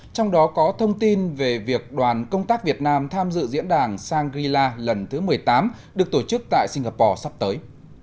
trong đó có thông tin về việc đoàn công tác việt nam tham dự diễn đàn sangrila lần thứ một mươi tám được tổ chức tại singapore sắp tới